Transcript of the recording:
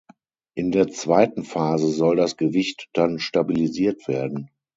In der zweiten Phase soll das Gewicht dann stabilisiert werden.